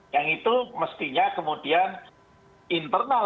yang itu mestinya kemudian internal